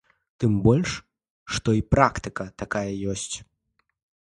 Тым больш, што і практыка такая ёсць.